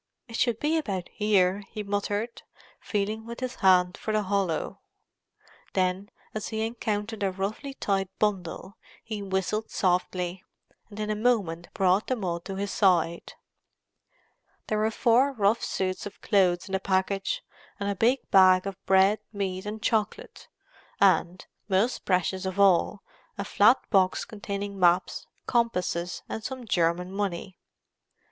"It should be about here," he muttered, feeling with his hand for the hollow. Then, as he encountered a roughly tied bundle, he whistled softly, and in a moment brought them all to his side. There were four rough suits of clothes in the package; a big bag of bread, meat, and chocolate; and, most precious of all, a flat box containing maps, compasses, and some German money.